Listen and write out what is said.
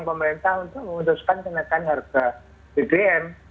pemerintah untuk memutuskan kenaikan harga bbm